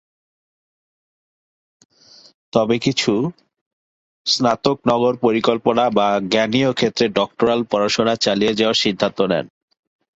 তবে কিছু স্নাতক নগর পরিকল্পনা বা জ্ঞানীয় ক্ষেত্রে ডক্টরাল পড়াশোনা চালিয়ে যাওয়ার সিদ্ধান্ত নেন।